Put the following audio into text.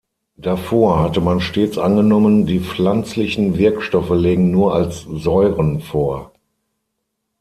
Davor hatte man stets angenommen, die pflanzlichen Wirkstoffe lägen nur als Säuren vor.